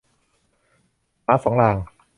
หมาสองราง